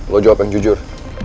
lo jawab yang jujur